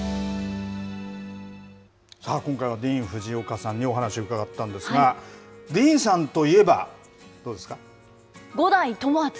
今回はディーン・フジオカさんにお話伺ったんですが、ディーンさんといえば、どうですか？